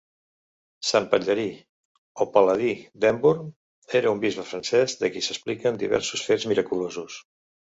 Sant Patllari o Pal·ladi d'Embrun era un bisbe francès de qui s'expliquen diversos fets miraculosos.